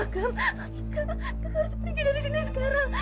kak kakak harus pergi dari sini sekarang